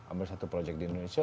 ambil satu project di indonesia